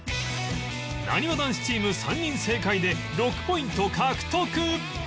なにわ男子チーム３人正解で６ポイント獲得